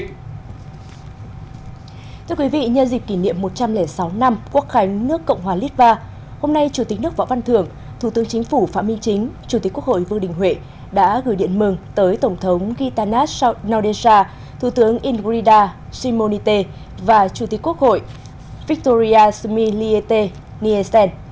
thưa quý vị nhân dịp kỷ niệm một trăm linh sáu năm quốc khánh nước cộng hòa lít va hôm nay chủ tịch nước võ văn thưởng thủ tướng chính phủ phạm minh chính chủ tịch quốc hội vương đình huệ đã gửi điện mừng tới tổng thống gitanas naudesha thủ tướng ingrida simonite và chủ tịch quốc hội victoria sumiliete nielsen